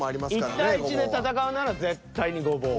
１対１で戦うなら絶対にゴボウ。